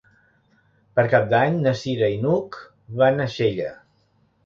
Per Cap d'Any na Cira i n'Hug van a Xella.